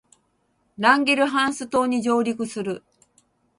ランゲルハンス島に上陸する